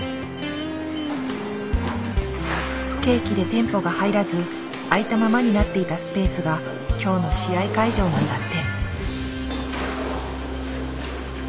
不景気で店舗が入らず空いたままになっていたスペースが今日の試合会場なんだって。